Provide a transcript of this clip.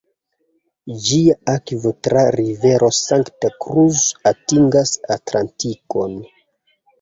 Ĝia akvo tra rivero Santa Cruz atingas Atlantikon.